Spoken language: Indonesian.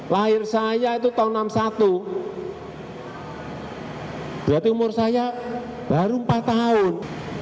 lahir saya itu tahun seribu sembilan ratus enam puluh satu berarti umur saya baru empat tahun